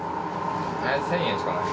１０００円しかない。